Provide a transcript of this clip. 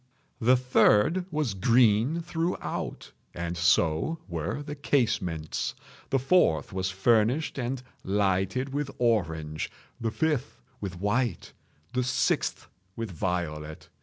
The third was green throughout, and so were the casements. The fourth was furnished and lighted with orange—the fifth with white—the sixth with violet.